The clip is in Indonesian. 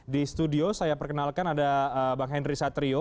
di studio saya perkenalkan ada bang henry satrio